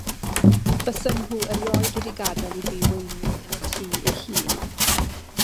Fysan nhw erioed wedi gadael i fi weini yn y tŷ ei hun.